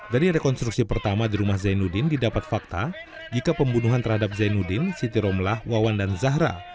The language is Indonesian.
dari rekonstruksi pertama di rumah zainuddin didapat fakta jika pembunuhan terhadap zainuddin siti romlah wawan dan zahra